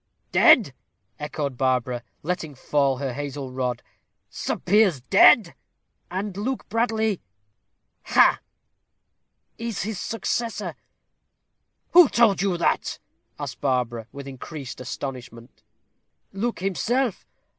"Dead!" echoed Barbara, letting fall her hazel rod. "Sir Piers dead!" "And Luke Bradley " "Ha!" "Is his successor." "Who told you that?" asked Barbara, with increased astonishment. "Luke himself.